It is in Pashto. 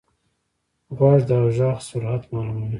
غوږ د غږ سرعت معلوموي.